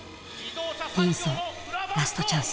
Ｄンソーラストチャンス。